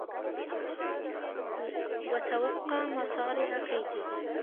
وَتَوَقَّى مَصَارِعَ كَيْدِهِ